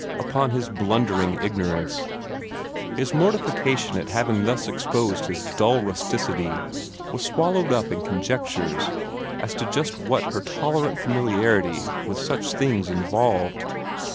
upon his blundering ignorance. His mortification at having thus exposed his dull rusticity was swallowed up in conjectures as to just what her tolerant familiarity with such things involved.